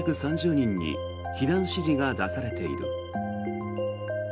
人に避難指示が出されている。